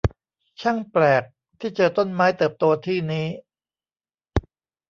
ช่างแปลก ที่เจอต้นไม้เติบโตที่นี้ !